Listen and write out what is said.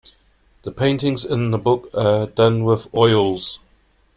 The paintings in the book are done with oils.